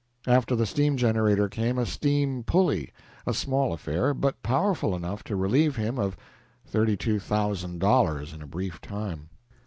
After the steam generator came a steam pulley, a small affair, but powerful enough to relieve him of thirty two thousand dollars in a brief time.